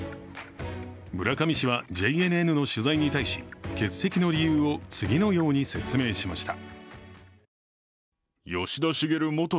村上氏はＪＮＮの取材に対し欠席の理由を次のように説明しました。